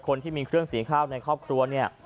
คนที่มีเครื่องสีข้าวในครอบครัวเนี่ย